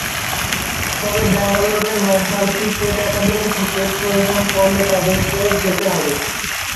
তবে ব্যাঙ্গালোরের national cricket academy থেকে প্রয়োজন পড়লে তাদেরকে যেতে হবে।